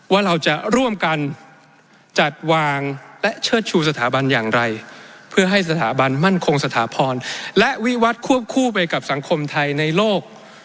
ว่าเราจะร่วมกันจัดวางและเชิดชูสถาบันอย่างไรเพื่อให้สถาบันมั่นคงสถาพรและวิวัตรควบคู่ไปกับสังคมไทยในโลก